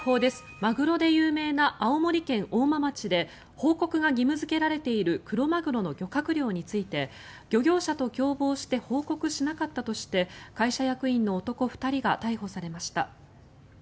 マグロで有名な青森県大間町で報告が義務付けられているクロマグロの漁獲量について漁業者と共謀して報告しなかったとして会社役員の男２人が逮捕されました。